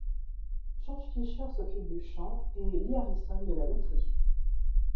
George Fisher s'occupe du chant et Lee Harrison de la batterie.